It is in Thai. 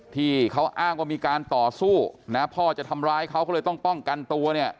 ที่เขาอ้างว่ามีการต่อสู้นะพ่อจะทำร้ายเขาก็เลยต้องป้องกันตัวเนี่ย